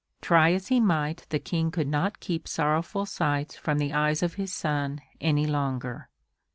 Try as he might the King could not keep sorrowful sights from the eyes of his son any longer.